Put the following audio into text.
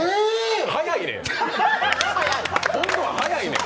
早いねん！